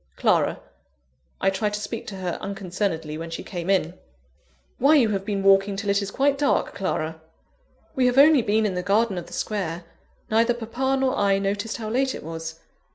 Clara. I tried to speak to her unconcernedly, when she came in. "Why, you have been walking till it is quite dark, Clara!" "We have only been in the garden of the Square neither papa nor I noticed how late it was.